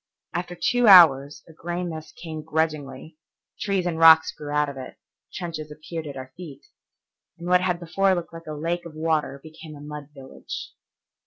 After two hours a gray mist came grudgingly, trees and rocks grew out of it, trenches appeared at our feet, and what had before looked like a lake of water became a mud village.